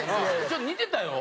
ちょっと似てたよ。